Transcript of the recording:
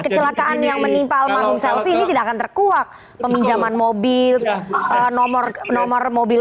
kecelakaan yang menimpa almarhum selfie ini tidak akan terkuak peminjaman mobil nomor nomor mobil